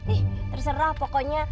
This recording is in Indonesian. ih terserah pokoknya